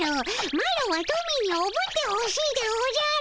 マロはトミーにおぶってほしいでおじゃる。